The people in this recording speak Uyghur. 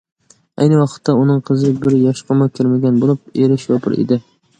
ئەينى ۋاقىتتا ئۇنىڭ قىزى بىر ياشقىمۇ كىرمىگەن بولۇپ، ئېرى شوپۇر ئىدى.